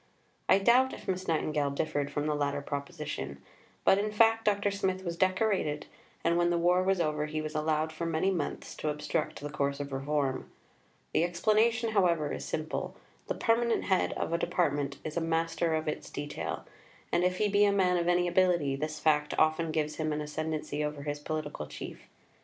I doubt if Miss Nightingale differed from the latter proposition. But in fact Dr. Smith was decorated, and when the war was over he was allowed for many months to obstruct the course of reform. The explanation, however, is simple. The permanent head of a Department is a master of its detail, and if he be a man of any ability, this fact often gives him an ascendancy over his political chief.